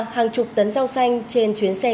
hàng chục tấn rau xanh trên chuyến xe